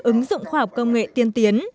ứng dụng khoa học công nghệ tiên tiến